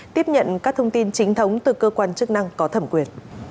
tiếp nhận các thông tin chính thống từ cơ quan chức năng có thẩm quyền